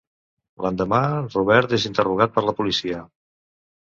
L'endemà, Robert és interrogat per la policia.